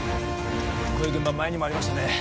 こういう現場前にもありましたね